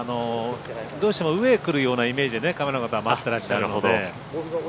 どうしても上へ来るようなイメージでカメラの方は待ってらっしゃるので。